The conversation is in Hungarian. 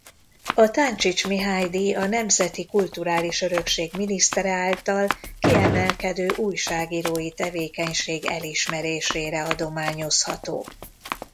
A Táncsics Mihály-díj a nemzeti kulturális örökség minisztere által kiemelkedő újságírói tevékenység elismerésére adományozható.